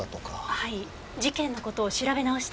はい事件の事を調べ直していて。